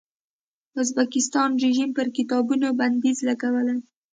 ازبکستان رژیم پر کتابونو بندیز لګولی.